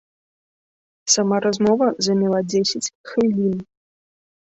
Сама размова заняла дзесяць хвілін.